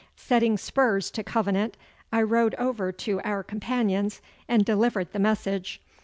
Setting spurs to Covenant I rode over to our companions and delivered the message.